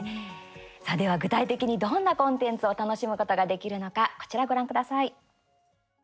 さあ、では具体的にどんなコンテンツを楽しむことができるのかこちら、ご覧ください。